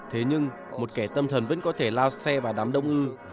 thế nhưng một kẻ tâm thần vẫn có thể lao xe vào đám đông ư